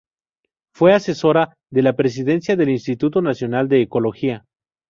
Fue asesora de la presidencia del Instituto Nacional de Ecología.